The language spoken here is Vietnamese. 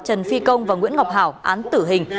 trần phi công và nguyễn ngọc hảo án tử hình